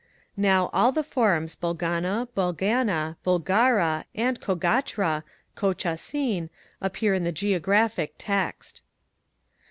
Now all the forms Bolgana, Balgana, Bolgara, and Cogatra, Cocacin appear in the Geographic Text.